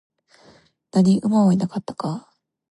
何、馬はいなかったか?